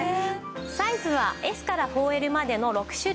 サイズはＳから４Ｌまでの６種類。